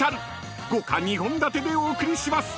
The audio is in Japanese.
［豪華２本立てでお送りします。